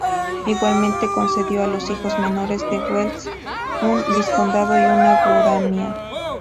Igualmente, concedió a los hijos menores de Güell un vizcondado y una baronía.